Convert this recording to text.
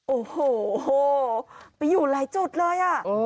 โอ้โหไปอยู่หลายจุดเลยอ่ะ